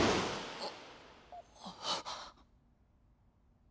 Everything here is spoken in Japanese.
あっ。